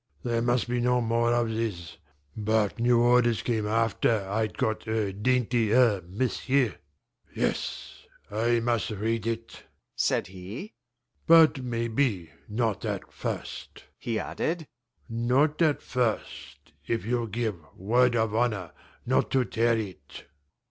"There must be no more of this. But new orders came AFTER I'd got her dainty a m'sieu'! Yes, I must read it," said he "but maybe not at first," he added, "not at first, if you'll give word of honour not to tear it."